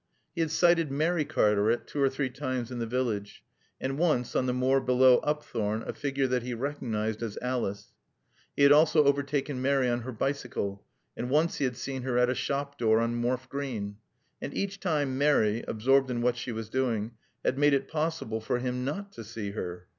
He had sighted Mary Cartaret two or three times in the village, and once, on the moor below Upthorne, a figure that he recognised as Alice; he had also overtaken Mary on her bicycle, and once he had seen her at a shop door on Morfe Green. And each time Mary (absorbed in what she was doing) had made it possible for him not to see her.